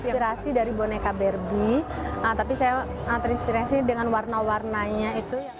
inspirasi dari boneka barbie tapi saya terinspirasi dengan warna warnanya itu